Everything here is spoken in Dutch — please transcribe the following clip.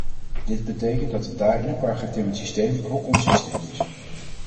Dit betekent dat het daar in elkaar getimmerde systeem ook ons systeem is.